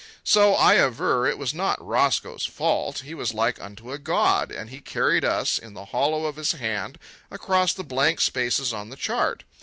So I aver, it was not Roscoe's fault. He was like unto a god, and he carried us in the hollow of his hand across the blank spaces on the chart.